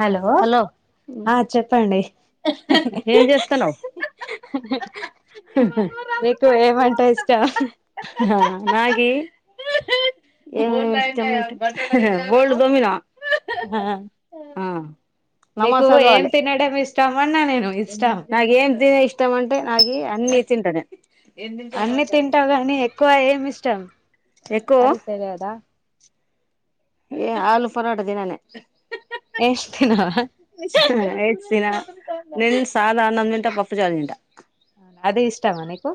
Hello ఆ చెప్పండి ఏం చేస్తున్నావు మీకు ఏమంటే ఇష్టమ నాగి ఏం జం గోల్డ్ తోమిన ఆ నీకు ఏం తినడం ఇష్టం అన్నా నేను. ఇష్టం నాగేన్ దినే ఇష్టం అంటే నాకి అన్ని తింటనే అన్ని తింటావు గానీ ఎక్కువ ఏమి ఇష్టం, ఎక్కువ అది తెలియదా? ఏ ఆలు ఫరాట దిననే ఏష్ తిననా ఏచ్ దిన, నెన్ సాదా అన్నం దింట, పప్పు చారు తింట. అది ఇష్టమా నీకు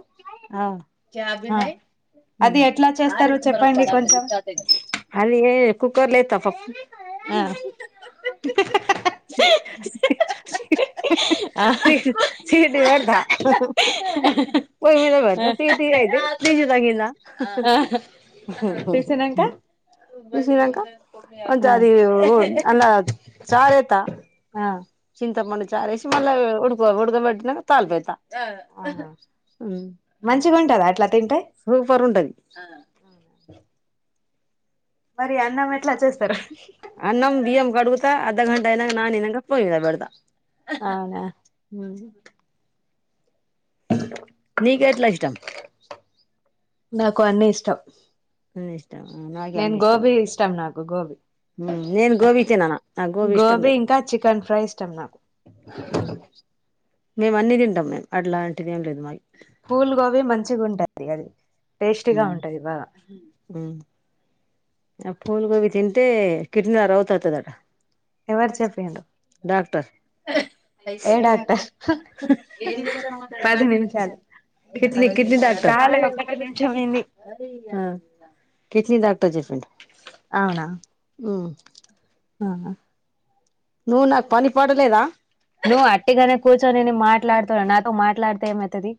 ఆ చహ ఆ పితై అది ఎట్లా చేస్తారు చెప్పండి కొంచెం అది ఏ కుక్కర్ల ఏత్త పప్. ఆ ఆ సీటీ పెడ్త పొయ్యి మీద ఆ పెడత తీయ తీయగైతై ఆ [unintelligible] హ తీసినంక తిసినంక కొంచం ఆ అది ఉ అల్లా చారే ఆ ఇంత ముందు చారేసి మళ్ళ ఉడుకో ఉడకబెట్టిన తాలిపేస. ఆ ఆహా ఉమ్ మంచిగుంటదా సుపర్ ఉంటది. అవునా చేస్తారు అన్నమ్ బియ్యం కడుగుతా అర్ధఘంట అయినంగ నానినంగ పొయ్యి మీద బెడత్. అవునా త ధ నీకెట్ల ఇష్టం? నాకు అన్నీ ఇష్టం. అన్ని ఇష్టం నాకే నేను అన్ని గోబి ఇష్టం నాకు గోబి. నేను గోబీ తినను నాకు ఇష్టం గోబీ లేదు ఇంకా చికెన్ ఫ్రై ఇష్టం నాకు. మేము అన్ని దింటం మేం, అట్లాంటిది ఏం లేదు మాయి. పూల్ గోబీ మంచిగుంటది అది టేస్ట్ గ ఉంటది బాగా. ఆ ఫూల్ గోబి తింటే, కిడ్నీల రోతత్తదట ఎవరు చెప్పిండ్రు డాక్టర్ అయితే ఏ డాక్టర్ ఏన్ పది నిమిషాది నిమిష నిమిషాలు అంత కిడ్నీ కిడ్నీ డాక్టర్ చాలే ఒక్కటి నిమిషం అయింది కిసీ దాంతో చేసింది అవునా ఉం ఆహా నువ్ నాకు పని పాట లేదా నువ్ అట్టిగానే కూర్చొని నేను మాట్లాడుతున్న నాతో మాట్లాడితే ఏమైతది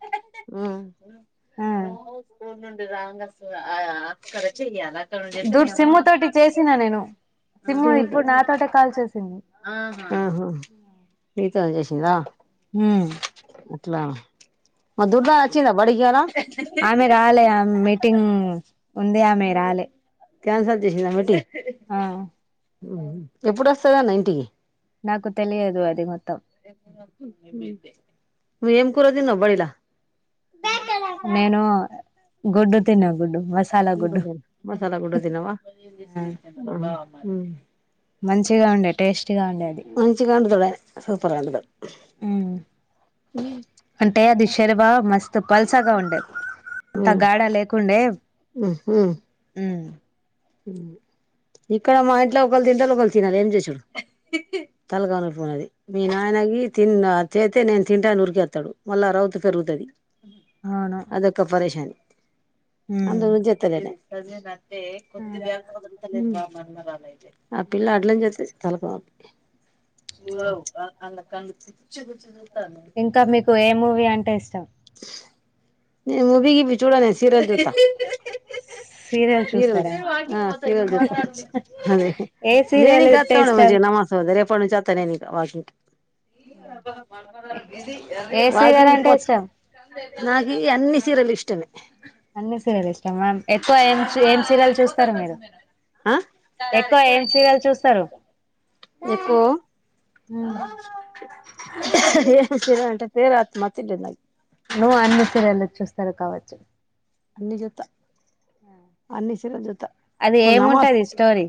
ఆ ముస్కోని ఉండు రాంగ సూడు చెయాలా అక్కడ నుండి చేస్తే మీ దూర్ అమ్మ సిమ్ము తోటి చేసిన నేను సిమ్ము ఇప్పుడు నాతోటే కాల్ చేసింది ఆహా త్ చేసిందా అట్లా మ దుర్ద అచ్చింద ఆమె రాలే ఆమె మీటింగ్ ఉంది ఆమె రాలే క్యాన్సల్ చేసింది ఎమ్మటి ఆ ఎప్పుడుొస్తదన్న ఇంటికి నాకు తెలియదు అది మొత్తం నువ్వు ఏం కూర తిన్నావ్ బడిలా నేను గుడ్డు తిన్నా గుడ్డు మసాలా గుడ్డు మసాలా గుడ్డు తిన్నవా ఉమ్ మంచిగా ఉండే టేస్టీగా ఉండే అది మంచిగా వండుతాదే సూపర్ ఉండదు ఉమ్ అంటే అది శెర్వా మస్తు పల్సగా ఉంటే అంత గాడ లేకుండే ఉమ్ ఉ ఇక్కడ మా ఇంట్ల ఒకళుతింటరు ఒకల్ తినరు ఏం చేసుడు అహ్ హ్ హ్ తలకాయ నొప్పున్నది మీ నాయన అయి తిన్న తే తే నేను తింటా అని ఉరకేత్తడు మల్ల రౌతి పెరుగుతది అవును అదొక పరేషాని అందుగురించి చేస్తలేనే అ పిల్ల అట్లనేజేత్తది తలకాయ నొప్పి దాని గుచ్చి గుచ్చి ఇంకా మీకు ఏ మూవీ అంటే ఇష్టం నేన్ మూవీ గీవీ చూడ నేను సీరియల్ జూత్త హ్ హ్ హ్ హ్ సీరియల్ హ్ సీరేల్ చూస్తారా ఆ సీరేల్ జూత్త హదే అహ్ ఏ సీరియల్ అంటే నేనింకొత్త ఇష్టం నమాజ్ చదివి రేపట్నుంచి వత్తా నేనిగా ఏ సీరియల్ వాకింగ్ అంటే పోత ఇష్టం నాకీ అన్ని సిరలు ఇష్టమే అన్ని సీరియల్ ఇష్టం మ్యామ్ ఎక్కువ ఏం చీ ఏం చీరియలు చూస్తారు మీరు ఆ ఎక్కువ ఏం సీరియల్ చూస్తరు ఎకొ ఏం సీరెల్ అంటే పేరత్ మతి లే నాకు నువ్వు అన్ని సీరియళ్లు చూస్తారు కావచ్చు అన్ని జత అన్ని సీరెల్ జూత అది ఇప్పుడు నమస్ ఏముంటది స్టోరీ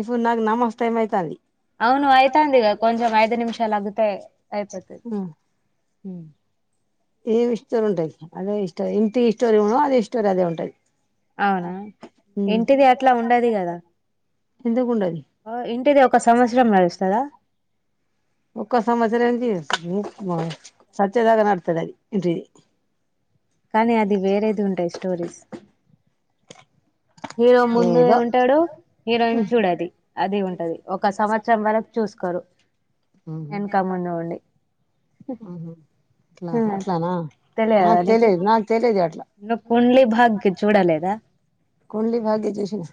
ఇప్పుడు నాకు నమాస్ టైం అయితాంది అవును అయితాంది గ కొంచెం ఐదు నిమిషాలు అగుతే అయిపోతది ఉమ్ ఏమి స్టోరీ ఉంటది అదే ఇష్ట ఇంటి స్టోరీ అది స్టోరీ అదే ఉంటది అవునా ఇంటిది అట్లా ఉండది కదా ఎందుకు ఉండది ఆ ఇంటిది ఒక సంవత్సరం నడుస్తదా ఒక్క సంవత్సరం ఏంది సచ్చేదాకా నడుస్తదది ఇంటిది కానీ అది వేరేది ఉంటాయి స్టోరీస్ హీరో ముందు ఏదో ఉంటాడు హీరోయిన్ చూడది అది అదే ఉంటది ఒక సంవత్సరం వరకు చూ సుకోరు వెనకా ముందు ఉండి ఆహ ట్లా ఆ అట్లానా తెలియదా నాకు నీకు తెలిదు నాకు తెలిదు అట్లా నువ్ కుండ్లీ బాగ్కి చూడలెదా కుండ్లీ భాగీ చుసిన్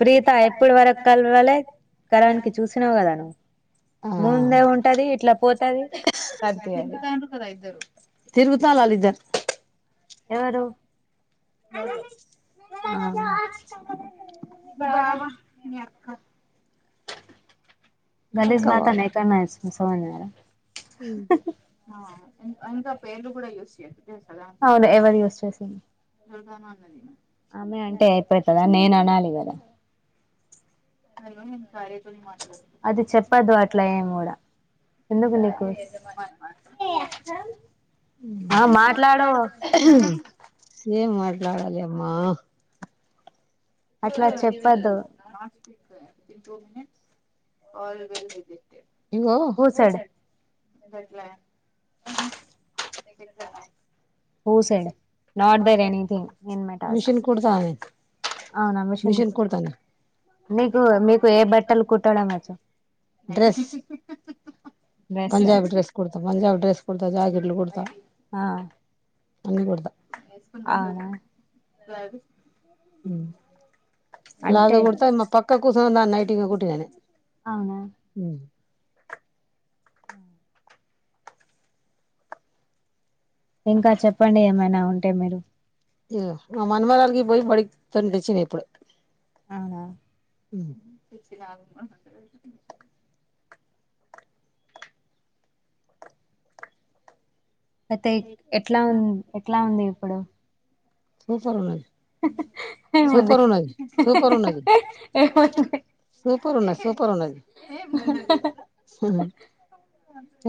ప్రీత ఎప్పుడు వరకు కలవలె కరన్ కి చూసినావు కదా నువ్ ఆ ముందే ఉంటది ఇట్లా పోతది కనిపియది తిరుగుతల్లిద్దారు ఎవరు గౌతమ్ ఇ బావా మీ అక్క [unintelligible] ఉమ్ ఆ హ్ ఇంకా పేర్లుకూడ యూస్ అవును ఎవరు యూస్ చేసిన్ [unintelligible] ఆమె అంటే అయిపోతదా నేను అనాలి కదా [unintelligible] అది చెప్పద్దు అట్లా ఎమ్ కూడా ఎందుకు నీకు ఆ మాట్లాడవు [unintelligible] ఏం మాట్లాడాలి అమ్మా అట్లా ఇప్పుడు చెప్పద్దు సీరియల్ నాన్స్టిక్ టూ మినిట్స్ ఇగో హూ సైడ్ [unintelligible] పెద్దగా who side not there anything in my task machine కుడుత అనే అవునా మిషన్ కుడ్ కుడ్తనే నీకు మీకు ఏ బట్టలు కుట్టడం వచ్చు dress dress Punjabi dress కుడ్తా Punjab dress కుడ్తా జాకెట్లు కుడ్తా ఆ అన్ని కుడ్తా అవునా అంటే ప్లాజో కుడతా మా పక్కకూసున్నా దాన్ నైటి నేన్ కుట్టినదే అవునా హ ఇంకా చెప్పండి ఏమైనా ఉంటే మీరు య్ ఆ మా మన్మరాలికి పోయి బడిక్ తెచ్చినా ఇప్పుడే అవునా తెచ్చినావ అయితే ఎట్లా ఉం ఎట్లా ఉంది ఇప్పుడు సూపర్ ఉన్నది హేహే ఏముంది సూపర్ ఉన్నది సూపర్ ఉన్నది హెహెహెయ్ ఏం ఉంది పర్ ఉన్నది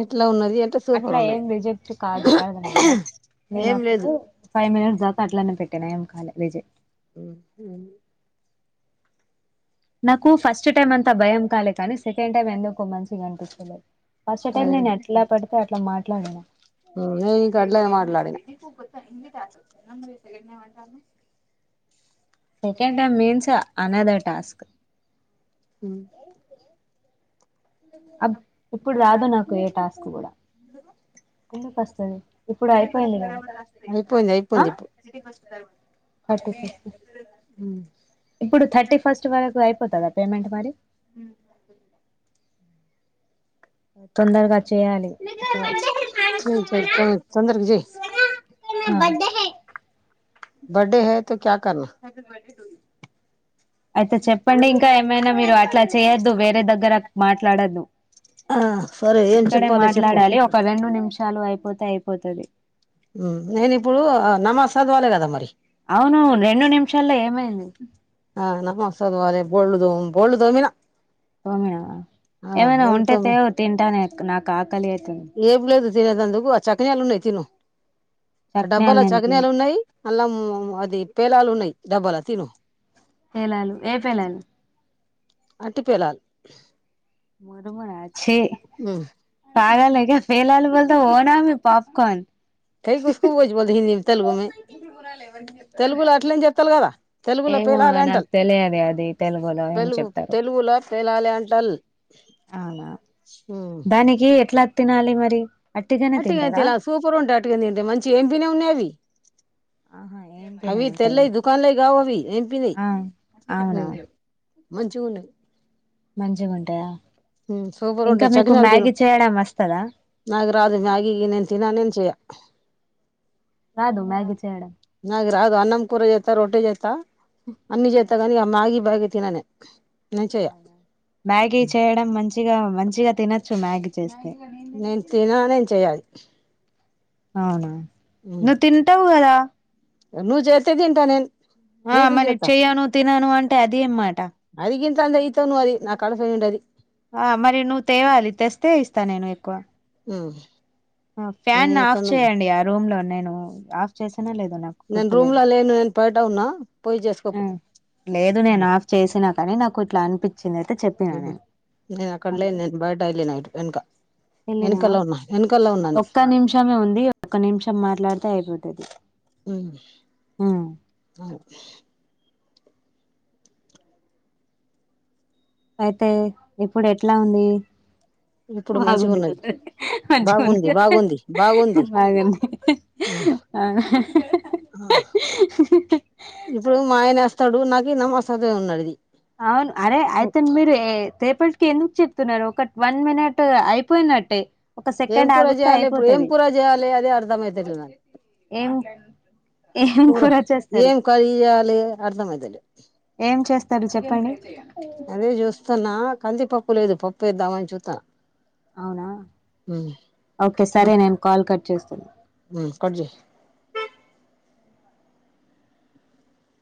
ఎట్లా ఉన్నది అంటే సూపర్ అట్లా ఏం ఉన్నది రిజెక్ట్ కాదు అర్థం అయిందా నేను ఏం లేదు అప్పుడు ఫైవ్ మినిట్స్ దాత అట్లాన్ పెట్టా ఏం కాలే రిజెక్ట్ హ్ హు నాకు ఫస్ట్ టైమ్ అంతా భయం కాలే కానీ సెకండ్ టైమ్ ఎందుకో మంచిగా అనిపించలేద్ ఫస్ట్ టైం అదే నేను ఎట్లా పెడితే అట్లా మాట్లాడినా నీ కట్లే మాట్లాడినా నీకు కొత్త హిందీ టాస్క్ ఓచ్చిందా మరి సెకండ్ టైం అంటానవ్ second time means another task హ్మ్ అబ్ ఇప్పుడు రాదు నాకు ఏ టాస్క్ కూడా ఎందుకు వస్తది ఇప్పుడు అయిపోయింది కదా అయిపోయింది ఆ అయిపోయింది ఇప్ థర్టీ ఫస్ట ఇప్పుడు థర్టీ ఫస్ట్ వరకు అయిపోతదా పేమెంట్ మరి హ తొందరగా చేయ్యాలి చెయ్ చెయ్ చెయ్ తొందరగా చెయ్ హ బర్డే హై తె క్యా కర్నా వన్ డే కూలి అయితే చెప్పండి ఇంకా ఏమైనా మీరు అట్లా చేయొద్దు వేరే దగ్గర క్ మాట్లాడొద్దు ఆ సరే ఏం ఇక్కడే చెప్పాలి చెప్పు మాట్లాడాలి ఒక రెండు నిమిషాలు అయిపోతే అయిపోతాది నేను ఇప్పుడు నమాజ్ చదవాలి కదా మరి అవును రెండు నిమిషాల్లో ఏమైంది ఆ నమాజ్ సద్వాలే బోల్ బోల్డోమిన ఏమైనా ఉంటే తోమి తెవో తింటానే నాకు ఆకలి ఎస్తుంది ఏం లేదు తినేదందుకు ఆ చక్కినాలు ఉన్నాయ్ తిను ఆ చక్నాలు డబ్బాలో నేను తిన చకినాలు ఉన్నాయి అల్లముమ్ అది పేలాలు ఉన్నాయి డబ్బాలో తిను పేలాలు ఏ పేలాలు అట్టి పేలాలు మురముర ఛీ పగాలెగ పేలాలు ఒల్ త్త ఒడామె పాప్ కార్న్ కై కుస్కు ఒజ్వాల్ హిందీ తెలుగు మె తెలుగులో అట్లేని జెప్తల కదా తెలుగులో ఏమో పేలాలె అంటల్ నాకు తెలియదు అది తెలుగులో ఏం తెలుగు చెప్తారు తెలుగులో పేలాలె అంటల్ అవునా దానికి ఎట్లా తినాలి మరి అట్టిగానే అట్టిగా తింటారా తిలా సూపర్ ఉంటయ్ అట్టిగా తింటే మంచి ఏం వినే ఉన్నాయ్ అవి ఆహా ఏం తినే అవి ఉంటది తెల్లెదు దుకాన్లోయ్ గావ్ అవి ఎంపినీ ఆ అవునా మంచిగ ఉన్నాయ్ మంచిగా ఉంటాయా సూపర్ ఇంకా ఉంటాయి మీకు చకినాలు తిను మ్యాగీ చేయడం వస్ నాకు రాదు మ్యాగి నేన్ తినను నేన్ చేయ్య రాదు మ్యాగి చె నాకు రాదు అన్నం కూర జైత రోట్టి జైత అన్ని జెత్తగాని ఇగ మ్యాగి మ్యాగి తినను అవునా మ్యాగీ చేయడం మంచిగా మంచిగ తినొచ్చు మ్యాగీ చేస్తే నేను తిన నేను చేయాలి అవునా నువ్వు తింటావు కదా నువ్ జేత్తె తింటా నేన్ ఆ మరి చెయ్యను తినను అంటే అదేం మాట తందే ఈతను అది నా కడుపు నిండది ఆ మరి నువ్వు తేవాలి తెస్తే ఇస్తా నేను ఎక్కువ హ్మ్ ఫ్యాన్ ఆఫ్ చేయండి ఇగ రూమ్ లో నేను ఆఫ్ చేస్ నేను రూమ్ లో లేను నేన్ పయట ఉన్నా పోయి చేస్కోపో ఉమ్ లేదు నేను ఆఫ్ చేసినా కానీ నాకు ఇట్లా అనిపి హ్మ్ నేను అక్కడలేను నేన్ బయట ఎళ్ళిన ఇటు వెనకా ఎళ్ళిన ఒక్క నిమిషమే ఉంది ఒక్క నిమిషం మాట్లాడితే అయిపోతది హ్మ్ ఉమ్ అయితే ఇప్పుడు ఎట్లా ఉంది ఇప్పుడు మంచిగా బాగుంది ఉన్నది కదే మంచి గ ఉంది బాగుంది కదే బాగుంది బాగుంది బాగుంది అ ఇప్పుడు మా ఆయనెస్తాడు నాకు నమ్మసదు ఉన్నడిది అవును అరే ఆయతన్ మీరు ఏ తేప్పటిక్కీను చెప్తున్నారు కట్ వన్ మినిట్ అయిపోయినట్టే ఒక ఏం సెకండ్ కూర ఆగితే జేయాలి ఇప్పుడు ఏం అయిపోతది కూర జేయాలి అదే అర్థ అయితలేదు నాకు ఏం ఏం కూర చేస్తారు ఏం కర్రీ జేయాలె అర్థమయితలె సారీ చెప్పండి అదే చూస్తున్నా కంది పప్పు లేదు పప్పు వేద్దామని చుత్తన్న అవునా ఓకే సరే నేను కాల్ కట్ చేస్తా ఉమ్ కట్ చెయ్